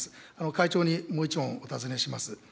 会長にもう１問、お尋ねします。